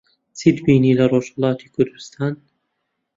چیت بینی لە ڕۆژھەڵاتی کوردستان؟